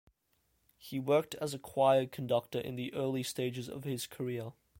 He worked as a choir conductor in the early stages of his career.